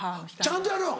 ちゃんとやるの？